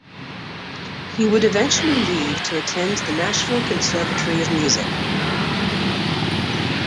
He would eventually leave to attend the Nashville Conservatory of Music.